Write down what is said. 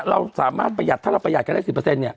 เราสามารถประหยัดถ้าเราประหยัดกันได้๑๐เนี่ย